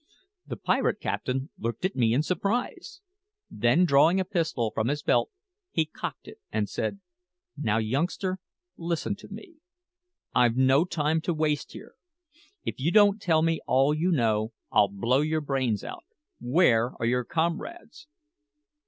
The pirate captain looked at me in surprise. Then drawing a pistol from his belt, he cocked it and said, "Now, youngster, listen to me. I've no time to waste here. If you don't tell me all you know, I'll blow your brains out! Where are your comrades?"